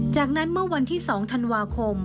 จากนั้นเมื่อวันที่๒ธันวาคม